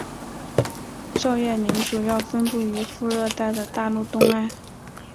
照叶林主要分布于副热带的大陆东岸。